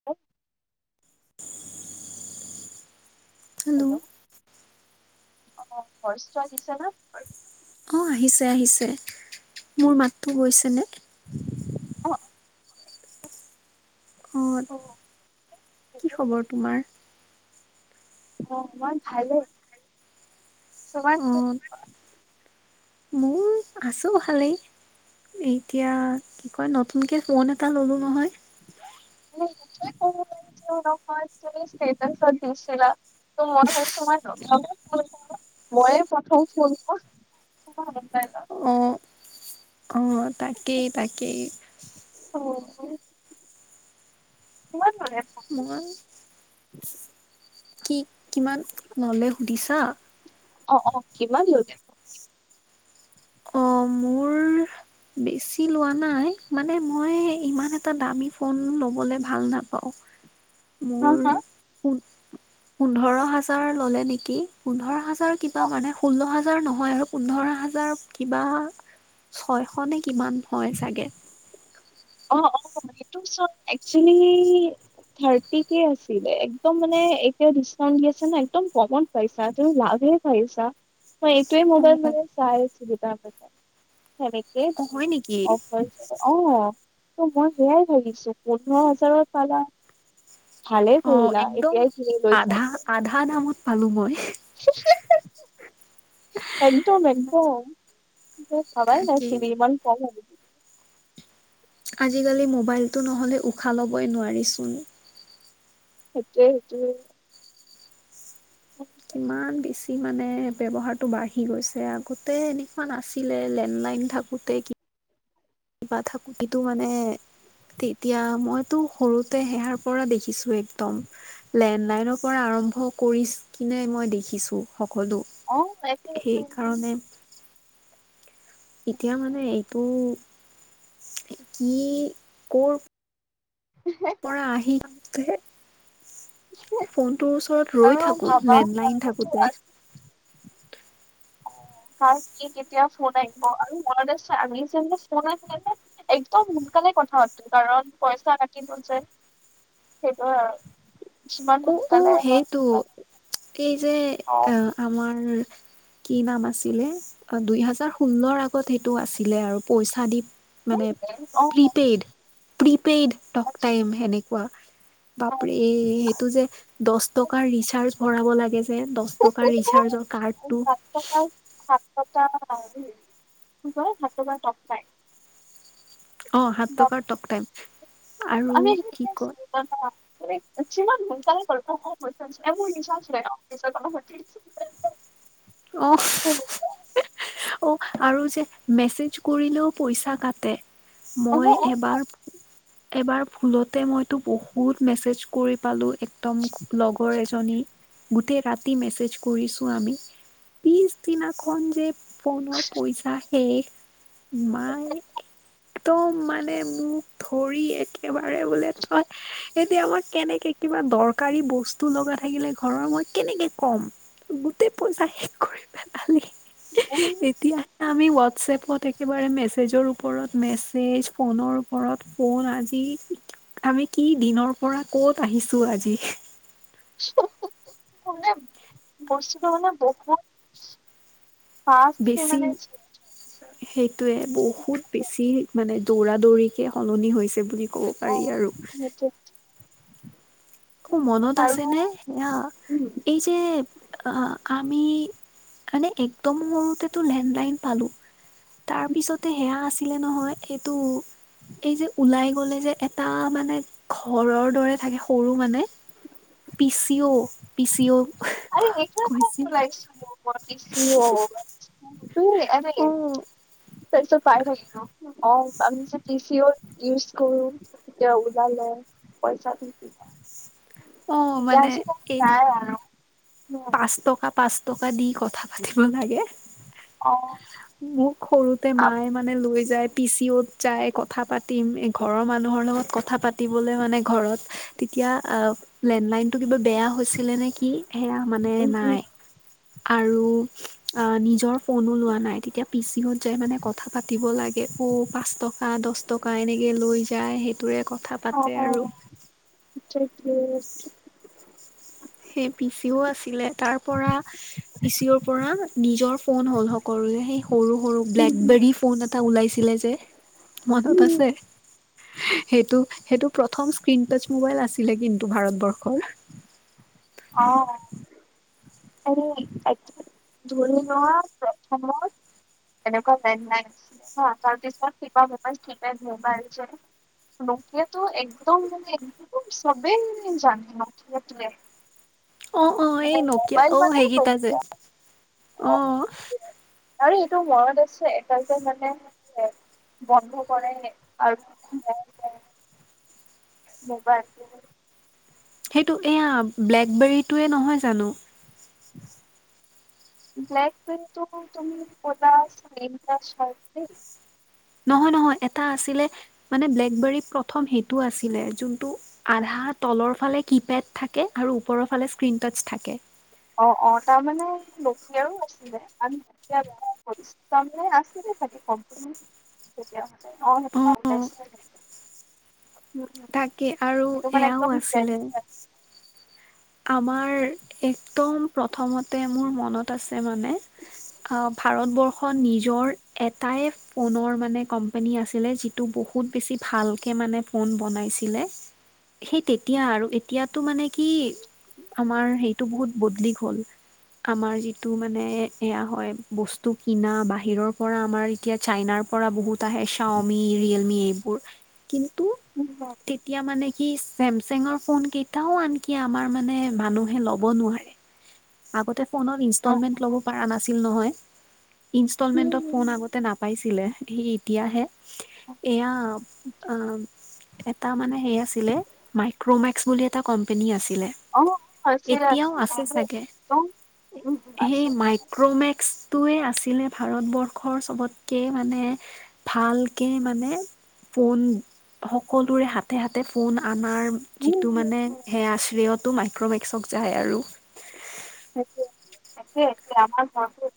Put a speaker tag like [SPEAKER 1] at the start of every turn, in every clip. [SPEAKER 1] [inaudible] Hello অ', ভইচটো আহিছেনে?
[SPEAKER 2] অ', আহিছে আহিছে মোৰ মাতটো গৈছেনে?
[SPEAKER 1] অ',
[SPEAKER 2] অ', কি
[SPEAKER 1] হেৰি,
[SPEAKER 2] খবৰ তোমাৰ?
[SPEAKER 1] অ', মই ভালেই।
[SPEAKER 2] অ', মোৰ আছো ভালেই। এতিয়া কি কয় নতুনকে ফোন এটা ললো নহয়।
[SPEAKER 1] [unintelligible] তুমি ষ্টেটাছত দিছিলা। ত' মই ভাবিছোঁ [unintelligible] ময়ে প্ৰথম ফোন [unintelligible]
[SPEAKER 2] অ', তাকেই তাকেই।
[SPEAKER 1] অ', কিমান ললে?
[SPEAKER 2] মই কি কিমান ললে সুধিছা?
[SPEAKER 1] অ', অ', কিমাণ ললে?
[SPEAKER 2] অ', মোৰ বেচি লোৱা নাই মানে মই ইমান এটা দামী ফোন ল'বলৈ ভাল নাপাওঁ
[SPEAKER 1] হা
[SPEAKER 2] মোৰ [inaudible]
[SPEAKER 1] হা
[SPEAKER 2] পোন্ধৰ হাজাৰ ল'লে নেকি, পোন্ধৰ হাজাৰ কিবা মানে ষোল্ল হাজাৰ নহয় আৰু পোন্ধৰ হাজাৰত কিবা ছয়শনে কিমান হয় চাগে।
[SPEAKER 1] অ, অ, সেইটো চৰত একচুৱেলি হাৰপিকে আছেলে একদম মানে এতিয়াও পইচাটো লাভ ই পাইচা। মই এইটোৱেই মবাইল
[SPEAKER 2] অ'।
[SPEAKER 1] মানে চাই আছিলোঁ, তাৰমানে হেনেকে
[SPEAKER 2] অ', হয় নেকি
[SPEAKER 1] অফাৰছ অ, ত মই সেয়াই ভাবিছো পোন্ধৰ হাজাৰত পালা? ভালেই
[SPEAKER 2] অ',
[SPEAKER 1] কৰিলা
[SPEAKER 2] একদম
[SPEAKER 1] এতিয়াই কিনি
[SPEAKER 2] আধা
[SPEAKER 1] লৈছা।
[SPEAKER 2] আধা দামত পালোঁ মই।
[SPEAKER 1] হী [inaudible] একদম-একদম মই ভাবাই
[SPEAKER 2] তাকেই
[SPEAKER 1] নাছিলোঁ ইমান কম হব বুলি।
[SPEAKER 2] আজিকালি মোবাইলটো নহ'লে উশাহ ল'বই নোৱাৰিচোন।
[SPEAKER 1] সেইটোৱে-সেইটোৱে।
[SPEAKER 2] ইমান বেছি মানে ব্যৱহাৰটো বাঢ়ি গৈছে। আগতে এনেকুৱা নাছিলে লেণ্ডলাইন থাকো গতেই কি কিবা থাকোতেটো মানে তেতিয়া মইতো সৰুতে সেহাৰ পৰা দেখিছোযেই। উম, লেণ্ডলাইনৰ পৰা আৰম্ভ কৰি কিনে মই দেখিছো সকলো।
[SPEAKER 1] অ, একো।
[SPEAKER 2] সেইকাৰণে, এতিয়া মানে এইটো কি কৰ।
[SPEAKER 1] উ [inaudible]
[SPEAKER 2] পৰা আহি থাকোঁতে, ফোনটোৰ ওচৰত ৰৈ
[SPEAKER 1] আৰু
[SPEAKER 2] থাকো
[SPEAKER 1] ভাবা
[SPEAKER 2] লেণ্ডলাইন
[SPEAKER 1] আৰুতো
[SPEAKER 2] থাকোতে।
[SPEAKER 1] অ, কাৰ কি কেতিয়া ফোন আহিব আৰু ফোন আহিলেনে? একদম সোনকালে কথা পাতো কাৰণ পইচা কাটিব যে। সেইটোৱে আৰু। যিমান
[SPEAKER 2] উ, উ,
[SPEAKER 1] সোনকালে হয়
[SPEAKER 2] সেইটো। এই যে
[SPEAKER 1] অ
[SPEAKER 2] আহ আমাৰ কি নাম আছিলে? দুইহেজাৰ ষোল্লৰ আগত সেইটো আছিলে আৰু পইচা দি মানে
[SPEAKER 1] অ
[SPEAKER 2] প্ৰিপেইড। প্ৰিপেইড টক টাইম সেনেকুৱা বাপৰে এ সেইটো যে দছ টকাৰ ৰিচাৰ্জ ভৰাব লাগে যে, দছ টকাৰ ৰিচাৰ্জৰ কাৰ্ডটো
[SPEAKER 1] সাত টকা সাত টকা কি কয়? সাত টকাৰ টক টাইম।
[SPEAKER 2] অ, সাত টকাৰ টক টাইম। আৰু কি কয়
[SPEAKER 1] আমি আছিলো, ইনঅডিব'ল [unintelligible] ইনঅডিবল [unintelligible]
[SPEAKER 2] অ, অ, আৰু যে মেছেজ কৰিলেও পইচা কাটে।
[SPEAKER 1] অ
[SPEAKER 2] মই
[SPEAKER 1] অ
[SPEAKER 2] এবাৰ এবাৰ ভুলতে মইতো বহুত মেছেজ কৰি পালোঁ। এক একদম লগৰ এজনী গোটেই ৰাতি মেছেজ কৰিছো আমি। পিছদিনাখন যে ফোনৰ পইচা শেষ। মাই একদম মানে মোক ধৰি একেবাৰে বোলে তই এতিয়া মই কেনেকে কিবা দৰকাৰী বস্তু লগা থাকিলে ঘৰৰ মই কেনেকে ক'ম। গোটেই পইচা শেষ কৰি পেলালি। এতিয়া আমি হোৱাটছএপত একেবাৰে মেছেজৰ ওপৰত মেছেজ, ফোনৰ ওপৰত ফোন আজি আমি কি দিনৰ পৰা কত আহিছো আজি।
[SPEAKER 1] মানে বস্তু মানে বহুত
[SPEAKER 2] বেছি। সেইটোয়ে বহুত বেছি মানে দৌৰা-দৌৰিকে সলনি হৈছে বুলি। ক'ব পাৰি আৰু।
[SPEAKER 1] সেইটোৱে।
[SPEAKER 2] অহ, মনত আছেনে সেয়া এই যে আহ আমি, মানে একদম সৰুতেতো লেণ্ডলাইন পালো। তাৰ পিছতে সেয়া আছিলে নহয় সেইটো এই যে ওলাই গ'লে যে এটা মানে ঘৰৰ দৰে থাকে সৰু। মানে পিচি অ' পিচি অ'
[SPEAKER 1] ইনঅডিব'ল
[SPEAKER 2] কৈছিল
[SPEAKER 1] [unintelligible] তুমি এনেকে
[SPEAKER 2] অ'
[SPEAKER 1] তই চব পাই থাকে ন। অ, ওলালে পি চি অ ইউজ কৰো তেতিয়া ওলালে পইচাটো।
[SPEAKER 2] অ' মানে
[SPEAKER 1] এতিয়া
[SPEAKER 2] এই
[SPEAKER 1] নাই আৰু
[SPEAKER 2] পাঁচ টকা, পাঁচ টকা দি কথা পাতিব লাগে।
[SPEAKER 1] অ',
[SPEAKER 2] মোক সৰুতে মায়ে মানে লৈ যায় পিচিঅত যায় কথা পাতিম। ঘৰৰ মানুহৰ লগত কথা পাতিবলে মানে ঘৰত তেতিয়া আহ, লেণ্ডলাইনতটো কিবা বেয়া হৈছিলে নে কি? সেয়া মানে নাই। আৰু অ নিজৰ ফোনো লোৱা নাই। তেতিয়া পিচিওত যাই মানে, কথা পাতিব লাগে অ, পাঁচ টকা। বা দছ টকা এনেকৈ লৈ যায়, সেইটোৰে কথা পাতে আৰু।
[SPEAKER 1] দেৎ তেৰি [unintelligible]
[SPEAKER 2] সেই পিচিঅ আছিলে তাৰ পৰা পিচিঅৰ পৰা নিজৰ ফোন হ'ল সকলোৰে। সেই সৰু-সৰু ব্লেকবেৰী ফোন এটা ওলাইছিলে যে। মনত আছে সেইটো। সেইটো প্ৰথম স্ক্ৰীন টাচ মোবাইল আছিলে কিন্তু ভাৰতবৰ্ষৰ।
[SPEAKER 1] অ', এনে এক ধৰি লোৱা প্ৰথমত। এনেকুৱা লেনলাইন আছিল, তাৰ পিছত কিবা মবাইল, কিপেদ মোবাইল যে। নকিয়টো একদম মানে এক সবেই মানে জানে সেয়টোয়ে।
[SPEAKER 2] অ', অ', এই
[SPEAKER 1] মানে
[SPEAKER 2] নকিয়া
[SPEAKER 1] মবাইল
[SPEAKER 2] অ'
[SPEAKER 1] মানে
[SPEAKER 2] সেইকেইটা যে
[SPEAKER 1] নকীয়া।
[SPEAKER 2] অ'।
[SPEAKER 1] আৰু এইটো মনত আছে, এটা যে মানে বন্ধ কৰে আৰু খোলে। ম'বাইলটো।
[SPEAKER 2] সেইটো এয়া ব্লেকবেৰীটোৱে নহয় জানো।
[SPEAKER 1] [inaudible] ব্লাক বেৰিটো তুমি ক'লা চেনা শাৰট দ
[SPEAKER 2] নহয়-নহয় এটা আছিলে মানে ব্লেকবেৰী প্ৰথম সেইটো আছিলে, যোনটো আধা তলৰ ফালে কিপেড থাকে, আৰু ওপৰৰ ফালে স্ক্ৰীণ টাচ থাকে।
[SPEAKER 1] অ', অ', তাৰমানে নকীয়াৰোঁ আছিলে, আমি বেয়া কৰিছে। তাৰমানে আছিলে চাগে কোম্পানী
[SPEAKER 2] অ',
[SPEAKER 1] [inaudible] উ,
[SPEAKER 2] তাকে আৰু
[SPEAKER 1] সেইটো মানে
[SPEAKER 2] এয়াও
[SPEAKER 1] একদম ফে
[SPEAKER 2] আছিলে আমাৰ একদম প্ৰথমতে মোৰ মনত আছে মানে। আহ, ভাৰতবৰ্ষত নিজৰ এটাই ফোনৰ মানে কোম্পোনী আছিলে। যিটো বহুত বেছি ভালকৈ মানে ফোন বনাইছিলে সেই তেতিয়া আৰু। এতিয়াতটো মানে কি? আমাৰ সেইটো বহুত বদলি গ'ল। আমাৰ যিটো মানে এয়া হয়, বস্তু কিনা বাহিৰৰ পৰা আমাৰ এতিয়া চাইনাৰ পৰা বহুত আহে। শ্বাওমি, ৰিয়েলমি এইবোৰ কিন্তু
[SPEAKER 1] উম, হয়।
[SPEAKER 2] তেতিয়া মানে কি চেমচাঙৰ ফোন কেইটাও আনকি আমাৰ মানে মানুহে ল'ব নোৱাৰে। আগতে ফোনত
[SPEAKER 1] অ'।
[SPEAKER 2] ইনষ্টলমেণ্ট ল'ব পৰা নাছিল নহয়। ইনষ্টলমেণ্টত ফোন আগত নাপাইছিলে সি এতিয়াহে এয়া আহ, এটা মানে সেই আছিলে, মাইক্ৰমেক্স বুলি এটা কোম্পেনী আছিলে।
[SPEAKER 1] অ', অ',
[SPEAKER 2] এতিয়াও
[SPEAKER 1] আছিলে-আছিলে।
[SPEAKER 2] আছে
[SPEAKER 1] সেইটো
[SPEAKER 2] চাগে
[SPEAKER 1] একদম উম, উম,
[SPEAKER 2] সেই
[SPEAKER 1] আছে।
[SPEAKER 2] মাই মাক্ৰ'মেক্সটোৱে আছিলে ভাৰতবৰ্ষৰ চবতকে মানে ভালকে মানে ফোন সকলোৰে হাতে-হাতে ফোন আনাৰ
[SPEAKER 1] উম,
[SPEAKER 2] যিটো
[SPEAKER 1] উম,
[SPEAKER 2] মানে
[SPEAKER 1] উম,
[SPEAKER 2] সেই আশ্ৰয়তো মাইক্ৰমেক্সক যায় আৰু।
[SPEAKER 1] একে-একে-একে আমাৰ গাওঁটো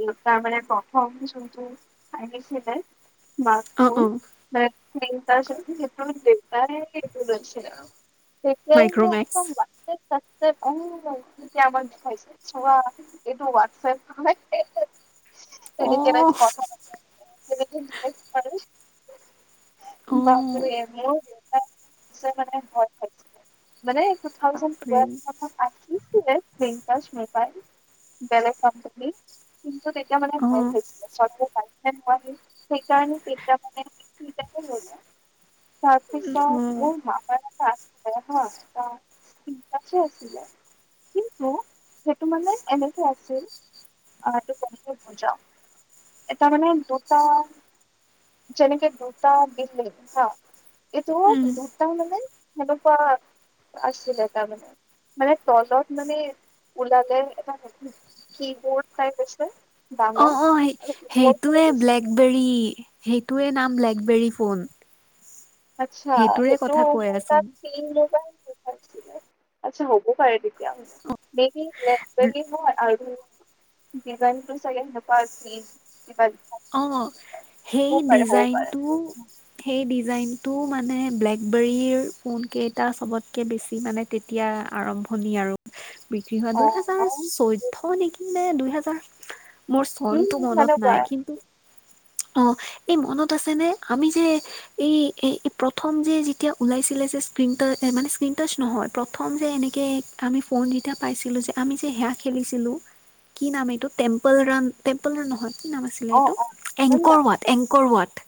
[SPEAKER 1] দেউতাৰ মানে প্ৰথম যোনটো আনিছিলে।
[SPEAKER 2] অ অ
[SPEAKER 1] [inaudible] তেতিয়া মানে
[SPEAKER 2] মাইক্ৰ'মেক্স
[SPEAKER 1] একদম তাজপেদ চাজপেড আহ, কিমাক পাইছেছা এইটো হোৱাটছএপ তেনে
[SPEAKER 2] অ
[SPEAKER 1] এটা যে কথা পাতে, কথা
[SPEAKER 2] অ
[SPEAKER 1] ব কৰে। [inaudible] মানে [inaudible]
[SPEAKER 2] বাপৰে
[SPEAKER 1] স্কীনতাচ মোবাইল বলেগ কোম্পানী কিন্তু তেতিয়া মানে
[SPEAKER 2] অ
[SPEAKER 1] ভয় হৈছিলে, চবে নোৱাৰিল সেইকাৰণে তেতিয়া মানে [inaudible] [inaudible]
[SPEAKER 2] অ
[SPEAKER 1] কিন্তু সেইটো মানে এনেকে আছিল, এইটো কেনেকে বুজাও? এটাৰ মানে দুটা, যেনেকে দুটা বিলি হা? এইটো
[SPEAKER 2] উম
[SPEAKER 1] দুটা মানে সেনেকুৱা আছিলে তাৰ মানে-মানে তলত মানে ওলালে এটা ন কি বৰত টাইপ আছে।
[SPEAKER 2] অ,
[SPEAKER 1] ডাঙৰ
[SPEAKER 2] অ,
[SPEAKER 1] আৰু ওপৰটো
[SPEAKER 2] সেইটোৱে
[SPEAKER 1] মানে স্ক্ৰীণ
[SPEAKER 2] ব্লেকবেৰী সেইটোয়ে নাম ব্লেকবেৰী ফোন।
[SPEAKER 1] আচ্ছা,
[SPEAKER 2] সেইটোৰে
[SPEAKER 1] সেইটো
[SPEAKER 2] কথা কৈ
[SPEAKER 1] মোৰ
[SPEAKER 2] আছো
[SPEAKER 1] তাত কি বুলি কয়? আচ্ছাঁ হ'ব পাৰে। ে লেলি হই আৰু [unintelligible] দিজানটো চাগে হেটাত দিম
[SPEAKER 2] অ, সেই
[SPEAKER 1] পাৰে হ'ব পাৰে
[SPEAKER 2] ডিজাইনটো সেই ডিজাইনটো মানে ব্লেকবেৰীৰ ফোন কেইটা চবতকে বেছি মানে, তেতিয়া আৰম্ভণি আৰু। বিক্ৰী হোৱা
[SPEAKER 1] অ
[SPEAKER 2] দুহেজাৰ চৈধ্য নেকি? নে দুইহেজাৰ মোৰ
[SPEAKER 1] উম
[SPEAKER 2] চনটো মনত নাই
[SPEAKER 1] সেনেকুৱাই
[SPEAKER 2] কিন্তু অ, এই মনত আছে নে আমি যে এই এ প্ৰথম যে যেতিয়া ওলাইছিলে যে স্কিন মানে স্কিন টাচ নহয়। প্ৰথম যে এনেকে আমি ফোনযেতিয়া পাইছিলোঁ যে, আমি যে সেয়া খেলিছিলোঁ? কি নাম এইটো টেম্পল ৰাণ, টেম্পল ৰান নহয় কি নাম আছিলে
[SPEAKER 1] অ
[SPEAKER 2] এইটো?
[SPEAKER 1] অ
[SPEAKER 2] লোকৰৱাট এংকৰৱাট।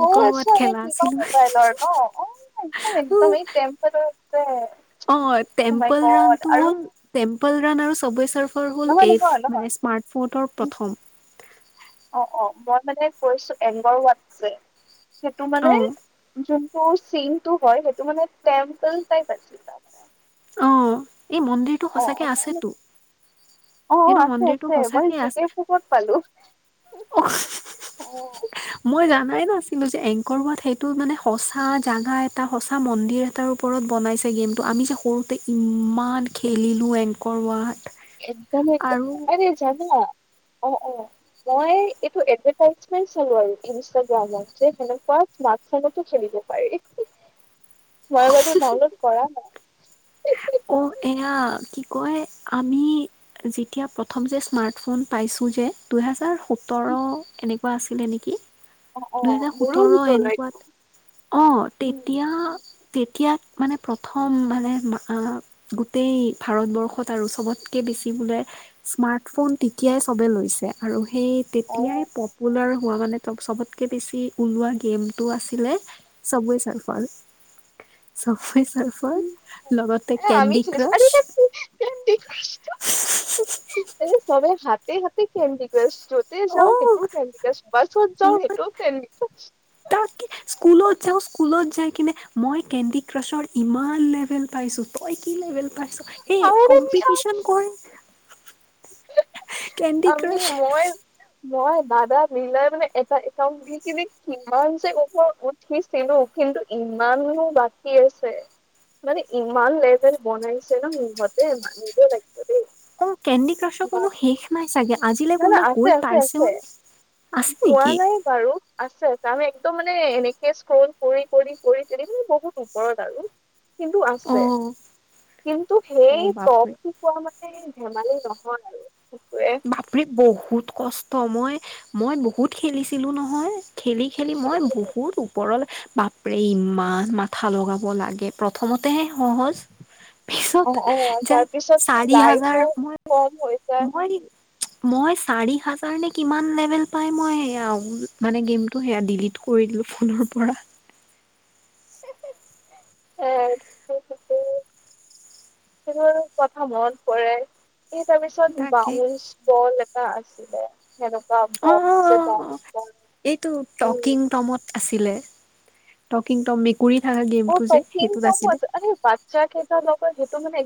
[SPEAKER 1] বহু আচে কিবা মোবাইলৰ ন অ, একদম-একদম তেম [unintelligible]
[SPEAKER 2] অ, টেম্পল ৰাণ টো হ'ল, টেম্পল ৰাণ আৰু চবেৰ চাফ। হ'ল
[SPEAKER 1] নহয়
[SPEAKER 2] এই
[SPEAKER 1] নহয় নহয়
[SPEAKER 2] মানে স্মাৰ্টফোনৰ প্ৰথম।
[SPEAKER 1] অ, অ, মই মানে কৈছো এংগৰৱাত যে সেইটো
[SPEAKER 2] অ
[SPEAKER 1] মানে যোনটো চিনটো হয় সেইটো মানে টেম্পল টাইপ আছিল।
[SPEAKER 2] অ, এই মন্দিৰটো
[SPEAKER 1] অ
[SPEAKER 2] সঁচাকে
[SPEAKER 1] অ
[SPEAKER 2] আছেতো।
[SPEAKER 1] অ,
[SPEAKER 2] সেইটো মন্দিৰটো
[SPEAKER 1] আছে-আছে মই
[SPEAKER 2] সঁচাকে আছে
[SPEAKER 1] জিকে বুকত পালো।
[SPEAKER 2] অ
[SPEAKER 1] অ',
[SPEAKER 2] মই জানাই নাছিলো যে এংকৰ হোৱাত সেইটো মানে সঁচা জাগা এটা সঁচা মন্দিৰ এটা তাৰ ওপৰত বনাইছে গেমটো আমি যে সৰুতে ইমান খেলিলোঁ এংকৰৱাট।
[SPEAKER 1] একদমেই এক আ জানা অ, অ, মই এই এডভাতাস্মেন্ত চালোঁ আৰু ইনষ্টাগ্ৰামত যে সেনেকুৱা স্মাৰ্ট চলেতো চলিব পাৰি। মই বাৰো ডাউনলোড কৰা নাই,
[SPEAKER 2] অ এয়া কি কয়, আমি যেতিয়া প্ৰথম যে স্মাৰ্টফোন পাইছোঁ যে, দুহেজাৰ সোতৰ এনেকুৱা আছিলে নেকি
[SPEAKER 1] অ অ
[SPEAKER 2] দুহেজাৰ
[SPEAKER 1] মোৰো
[SPEAKER 2] সোতৰ
[SPEAKER 1] ভিতৰুৱা
[SPEAKER 2] এনেকুৱাত
[SPEAKER 1] একদম
[SPEAKER 2] অ',
[SPEAKER 1] উম
[SPEAKER 2] তেতিয়া তেতিয়া মানে, প্ৰথম মানে গোটেই ভাৰতবৰ্ষত আৰু চবতকে বেছি বোলে স্মাৰ্ট ফোন তেতিয়াই চবে লৈছে আৰু, সেই
[SPEAKER 1] অ
[SPEAKER 2] তেতিয়াই লোৱা হোৱা মানে চবতকে বেছি ওলোৱাঁ গেমটো আছিলে চব চাৰফাল চফাই চাৰফ,
[SPEAKER 1] উম,
[SPEAKER 2] লগতে কেণ্ডি ক্ৰাছ
[SPEAKER 1] ত, সবাই হাতে হাতে কেণ্ডি [unintelligible] য'তে যাওঁ সেইটোও ফ্ৰেণ্লিকাছ বা য'ত যাওঁ
[SPEAKER 2] অ'
[SPEAKER 1] সেইটোও ফ্ৰেণ্ডলিকা [unintelligible]
[SPEAKER 2] তাকে স্কুলত যাওঁ, স্কুলত যাই কিনে মই কেণ্ডি ক্ৰাছৰ ইমান লেভেল পাইছোঁ। তই কি লেভেল পাইছ? সেই
[SPEAKER 1] আৰে
[SPEAKER 2] কম্পিটিশন কৰে কেণ্ডি
[SPEAKER 1] আমি,
[SPEAKER 2] ক্ৰাছ
[SPEAKER 1] মই মই দাদা মিলাই মানে, এটা একাউণ্ট দি কিনি কিমান সিনো কিন্তু, ইমানবোৰ বাকী আছে মানে ইমান লেভেল বনাইছে ন, ইহঁতে নিজে লাগিব দেই
[SPEAKER 2] অ', কেণ্ডি ক্ৰাছৰ কোনো
[SPEAKER 1] বা-
[SPEAKER 2] শেষ নাই চাগে আজিলৈ
[SPEAKER 1] নাই নাই
[SPEAKER 2] কোনোবা
[SPEAKER 1] আছে
[SPEAKER 2] গৈ
[SPEAKER 1] আছে
[SPEAKER 2] পাইছে,
[SPEAKER 1] আছে
[SPEAKER 2] আছে
[SPEAKER 1] পোৱা
[SPEAKER 2] নেকি?
[SPEAKER 1] নাই বাৰু আছে- আছে আমি একদম মানে এনেকে স্ক্ৰন কৰি -কৰি -কৰি তেনিমিনি বহুত ওপৰত আৰু কিন্তু
[SPEAKER 2] অ
[SPEAKER 1] আছে কিন্তু
[SPEAKER 2] অ',
[SPEAKER 1] সেই
[SPEAKER 2] বাপৰে
[SPEAKER 1] টপ কোৱা মানে ধেমালি নহয় আৰু কুকুৰে।
[SPEAKER 2] বাপৰি বহুত কষ্ট মই -মই বহুত- খেলিছিলো নহয় খেলি খেলি মই বহুত ওপৰলৈ বাপ ৰেই ইমান মাথা লগাব লাগে প্ৰথমতেহে সহজ
[SPEAKER 1] অ অ
[SPEAKER 2] পিছত যে
[SPEAKER 1] তাৰপিছত
[SPEAKER 2] চাৰি
[SPEAKER 1] লাইফো
[SPEAKER 2] হাজাৰ মই
[SPEAKER 1] কম হৈ যায়
[SPEAKER 2] নোৱাৰি
[SPEAKER 1] [inaudible]
[SPEAKER 2] মই চাৰি হাজাৰ নে কিমান লেভেল পাই মই অ মানে গেমটো এয়া ডিলিট কৰি দিলোঁ ফোনৰ পৰা।
[SPEAKER 1] এ ঠিকেই ঠিকেই সেইবোৰ কথা মনত পৰে এই তাৰপিছত
[SPEAKER 2] তাকেই।
[SPEAKER 1] বাউন্ঞ্চ বল এটা আছিলে। সেনেকুৱা
[SPEAKER 2] অ অ অ
[SPEAKER 1] বাউঞ্চ
[SPEAKER 2] অ
[SPEAKER 1] বাউঞ্চ
[SPEAKER 2] এইটো
[SPEAKER 1] বল
[SPEAKER 2] টকিং টমত আছিলে টকিং টম মেকুৰী থকা
[SPEAKER 1] অ
[SPEAKER 2] গেমটো যে
[SPEAKER 1] টকিং
[SPEAKER 2] সেইটোত
[SPEAKER 1] টমো
[SPEAKER 2] আছিলে
[SPEAKER 1] আছে আৰে কেইটাৰ লগত সেইটো মানে।